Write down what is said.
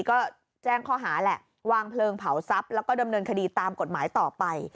ก็แจ้งข้อหาแหละวางเพลิงเผาทรัพย์แล้วก็ดำเนินคดีตามกฎหมายต่อไป